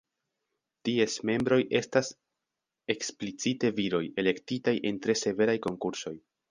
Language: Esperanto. Ties membroj estas eksplicite viroj, elektitaj en tre severaj konkursoj.